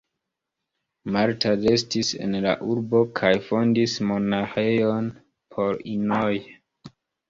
Marta restis en la urbo kaj fondis monaĥejon por inoj.